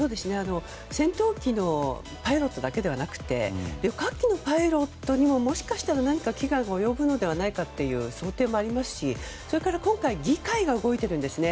戦闘機のパイロットだけではなくて旅客機のパイロットにももしかしたら危害が及ぶのではないかという想定もありますし、それから今回、議会が動いてるんですね。